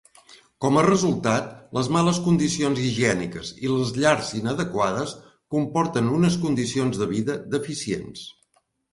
Com a resultat, les males condicions higièniques i les llars inadequades comporten unes condicions de vida deficients.